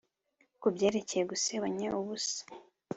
kubyerekeye gusebanya ubusa